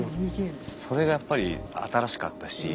それがやっぱり新しかったし。